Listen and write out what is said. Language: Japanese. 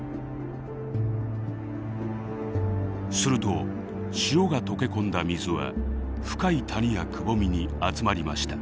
すると塩が溶け込んだ水は深い谷やくぼみに集まりました。